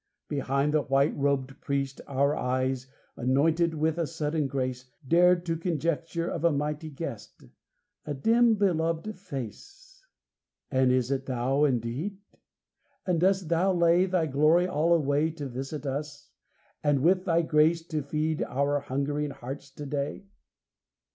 Behind the white robed priest Our eyes, anointed with a sudden grace, Dare to conjecture of a mighty guest, A dim beloved Face. And is it Thou, indeed? And dost Thou lay Thy glory all away To visit us, and with Thy grace to feed Our hungering hearts to day?